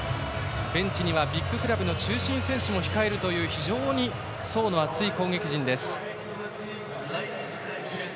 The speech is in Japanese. ベンチにはビッグクラブの中心選手も控えるという非常に層の厚い攻撃陣です。